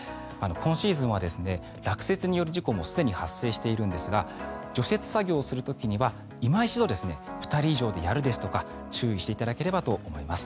今シーズンは落雪による事故もすでに発生しているんですが除雪作業をする時にはいま一度、２人以上でやるとか注意していただければと思います。